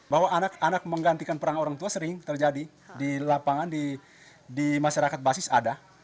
bahwa anak anak menggantikan perang orang tua sering terjadi di lapangan di masyarakat basis ada